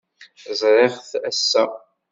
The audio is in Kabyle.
Ẓṛiɣ-t ass-a.